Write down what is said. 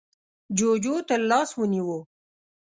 جُوجُو تر لاس ونيو: